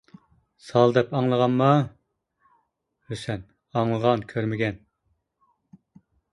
سال دەپ ئاڭلىغانما؟ ھۈسەن : ئاڭلىغان كۆرمىگەن.